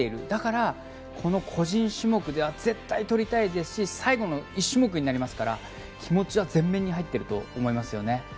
だから、個人種目では絶対に取りたいですし最後の１種目になりますから気持ちは前面に入っていると思いますね。